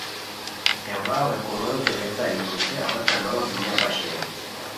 ہے واؤ ہے کوموروتے ریتائے یو نیسے اوا تہ نوغ دنیا پاشئیم